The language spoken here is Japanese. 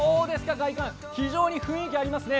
外観、非常に雰囲気がありますね。